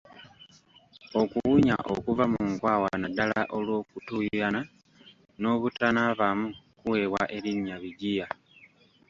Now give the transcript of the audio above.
Okuwunya okuva mu nkwawa naddala olw’okutuuyana n’obutanaabamu kuweebwa erinnya Bigiya.